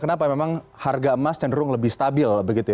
kenapa memang harga emas cenderung lebih stabil